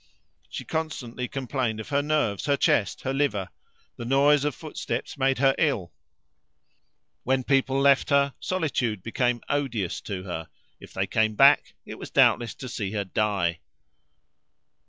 She constantly complained of her nerves, her chest, her liver. The noise of footsteps made her ill; when people left her, solitude became odious to her; if they came back, it was doubtless to see her die.